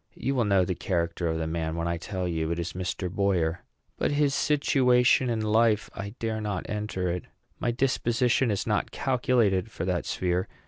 You will know the character of the man when I tell you it is Mr. Boyer. But his situation in life! I dare not enter it. My disposition is not calculated for that sphere.